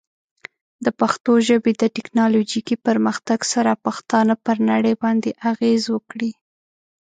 د پښتو ژبې د ټیکنالوجیکي پرمختګ سره، پښتانه پر نړۍ باندې اغېز وکړي.